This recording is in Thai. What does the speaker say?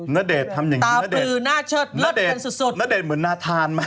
ณเดชน์ทำอย่างนี้ณเดชน์เหมือนนาทานมาก